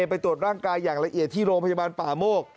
ไปตรวจร่างกายอย่างละเอียดที่โรงพยาบาลป่าโมก